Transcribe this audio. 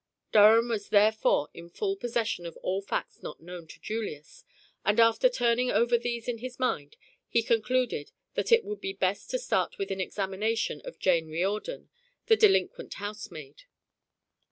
Durham was therefore in full possession of all facts not known to Julius, and after turning over these in his mind he concluded that it would be best to start with an examination of Jane Riordan, the delinquent housemaid.